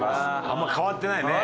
あんま変わってないね。